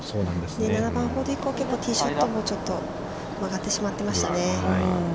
７番ホール以降、ティーショットもちょっと曲がってしまってましたね。